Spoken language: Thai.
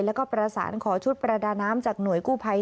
แล้วก็ประสานขอชุดประดาน้ำจากหน่วยกู้ภัย